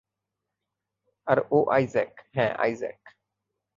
আর ও আইজ্যাক, হ্যাঁ আইজ্যাক!